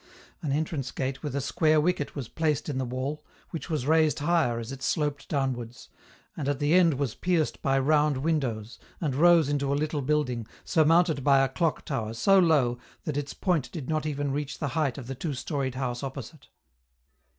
An entrance gate with a square wicket was placed in the wall, which was raised higher as it sloped downwards, and at the end was pierced by round windows, and rose into a little building, surmounted by a clock tower so low that its point did not even reach the height of the two storied house opposite.